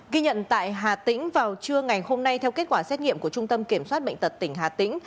ghi nhận tại hà tĩnh vào trưa ngày hôm nay theo kết quả xét nghiệm của trung tâm kiểm soát bệnh tật tỉnh hà tĩnh